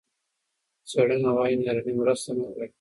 څېړنه وايي نارینه مرسته نه غواړي.